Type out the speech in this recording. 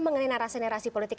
mengenai narasi narasi politik